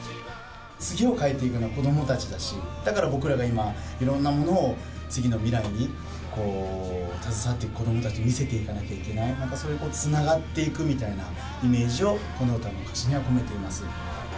次を変えていくのは子どもたちだし、だから僕らが今、いろんなものを次の未来に携わっていく子どもたちに見せていかなきゃいけない、またそういう、つながっていくみたいなイメージを、この歌の歌詞には込めています。